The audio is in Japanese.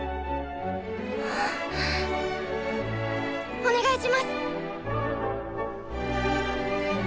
お願いします！